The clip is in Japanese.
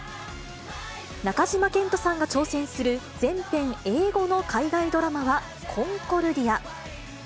中島健人さんが挑戦する全編英語の海外ドラマはコンコルディア。